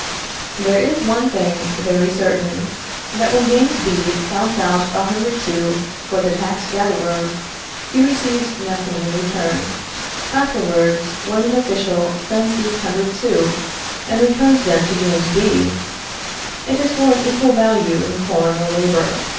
There is one thing very certain, that when James B. counts out a hundred sous for the tax gatherer, he receives nothing in return. Afterwards, when an official spends these hundred sous, and returns them to James B., it is for an equal value in corn or labour.